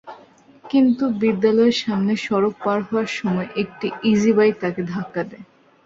কিন্তু বিদ্যালয়ের সামনে সড়ক পার হওয়ার সময় একটি ইজিবাইক তাকে ধাক্কা দেয়।